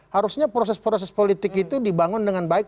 harusnya proses proses politik itu dibangun dengan baik